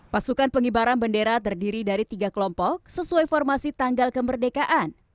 pasukan pengibaran bendera terdiri dari tiga kelompok sesuai formasi tanggal kemerdekaan